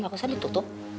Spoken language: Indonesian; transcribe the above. gak usah ditutup